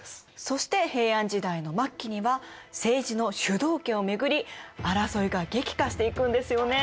そして平安時代の末期には政治の主導権を巡り争いが激化していくんですよね。